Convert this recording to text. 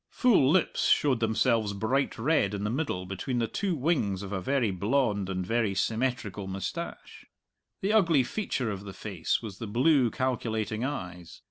Full lips showed themselves bright red in the middle between the two wings of a very blonde and very symmetrical moustache. The ugly feature of the face was the blue calculating eyes.